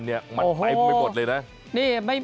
มันไปไม่หมดเลยนะ